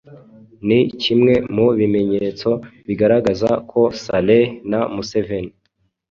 ni kimwe mu bimenyetso bigaragaza ko Saleh na Museveni